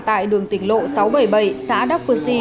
tại đường tỉnh lộ sáu trăm bảy mươi bảy xã đắc phước si